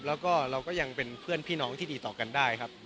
เราเป็นเพื่อนพี่น้องที่ดีต่อกันได้ครับ